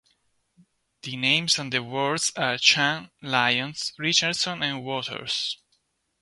The names of the wards are Chan, Lyons, Richardson, and Waters.